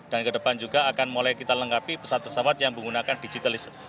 dan kedepan juga akan mulai kita lengkapi pesawat pesawat yang menggunakan digitalism